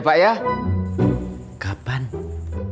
maksudnya kita harus saling crane